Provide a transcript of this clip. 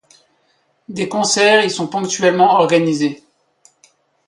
Des concerts y sont ponctuellement organisés.